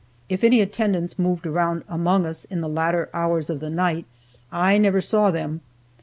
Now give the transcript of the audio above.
If any attendants moved around among us in the later hours of the night I never saw them.